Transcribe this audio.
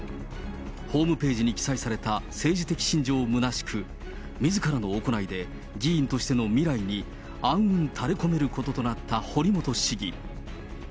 ホームページに記載された政治的信条むなしく、みずからの行いで議員としての未来に暗雲たれこめることとなった堀本市議。